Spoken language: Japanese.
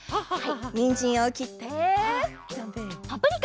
にんじんをきってパプリカ！